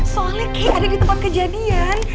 soalnya ki ada di tempat kejadian